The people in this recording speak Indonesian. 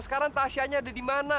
sekarang tasha nya ada dimana